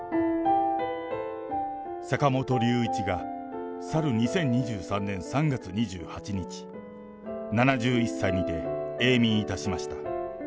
坂本龍一が去る２０２３年３月２８日、７１歳にて永眠いたしました。